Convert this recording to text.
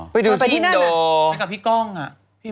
ไปกับพี่ก้องอะ